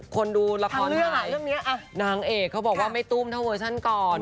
คนดูละครนางเอกเขาบอกว่าไม่ตุ้มเท่าเวอร์ชั่นก่อน